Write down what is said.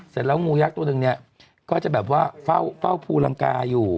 เสร็จแล้วงูยักษ์ตัวหนึ่งเนี่ยก็จะแบบว่าเฝ้าภูลังกาอยู่